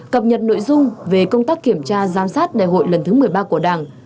cập nhật nội dung về công tác kiểm tra giám sát đại hội lần thứ một mươi ba của đảng